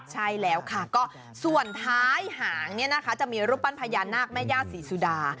ใช่แล้วค่ะก็ส่วนท้ายหางเนี่ยนะคะจะมีรูปปั้นพญานาคแม่ย่าศรีสุดา